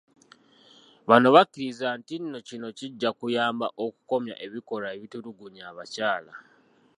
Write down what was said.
Bano bakkiriza nti kino kijja kuyamba okukomya ebikolwa ebitulugunya abakyala.